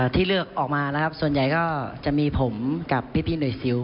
ที่เลือกออกมานะครับส่วนใหญ่ก็จะมีผมกับพี่หน่วยซิล